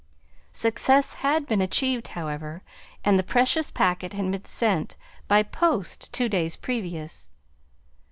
Success had been achieved, however, and the precious packet had been sent by post two days previous.